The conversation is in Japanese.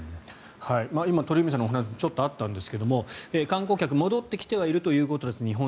今、鳥海さんのお話にもあったんですが観光客、戻ってきているということではあるようです。